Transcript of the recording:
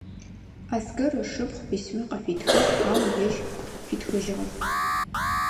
Аскэр ышыпхъу письма къыфитхыгъ, ау ежь фитхыжьыгъэп.